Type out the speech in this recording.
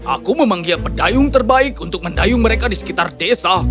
aku memanggil pedayung terbaik untuk mendayung mereka di sekitar desa